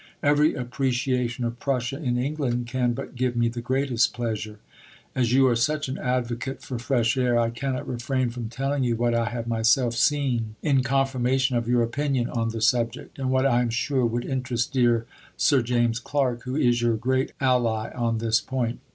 Every appreciation of Prussia in England can but give me the greatest pleasure.... As you are such an advocate for fresh air, I cannot refrain from telling you what I have myself seen in confirmation of your opinion on the subject, and what I am sure would interest dear Sir James Clark, who is your great ally on this point.